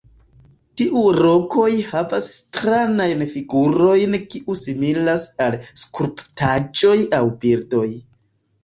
Tiu rokoj havas stranajn figurojn kiuj similas al skulptaĵoj aŭ bildoj.